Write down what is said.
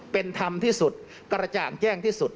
เป็นธรรมที่สุดกระจ่างแย่งที่สุด